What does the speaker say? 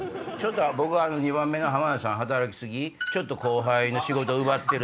僕は２番目の浜田さん働き過ぎちょっと後輩の仕事奪ってる。